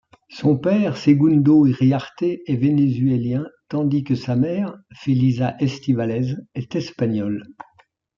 Son père Segundo Iriarte est vénézuélien, tandis que sa mère, Felisa Estivalez est espagnole.